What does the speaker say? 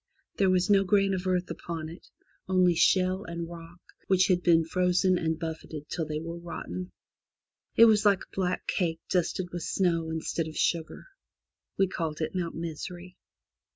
There was no grain of earth upon it, only shale and rock, which had been frozen and buffeted till they were rotten. It was like a black cake dusted with snow instead of sugar. We called it Mount Misery.